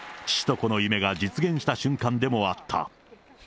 父と子の夢が実現した瞬間でもあった。